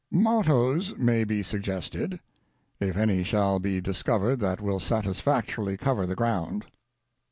Mottoes may be suggested, if any shall be discovered that will satisfactorily cover the ground.